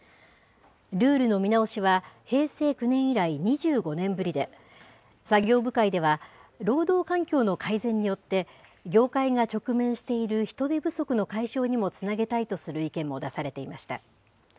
ルールの見直しは、平成９年以来、２５年ぶりで、作業部会では、労働環境の改善によって、業界が直面している人手不足の解消にもつなげたいとする意見も出されていました。